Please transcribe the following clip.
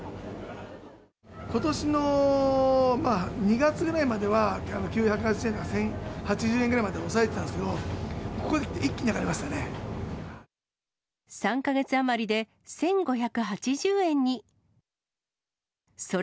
ことしの２月ぐらいまでは、９８０円とか１０８０円ぐらいまで抑えてたんですけど、３か月余りで１５８０円に。